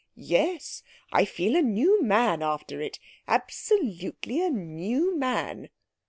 "Yes.... I feel a new man after it. Absolutely a new man."